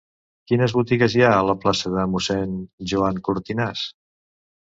Quines botigues hi ha a la plaça de Mossèn Joan Cortinas?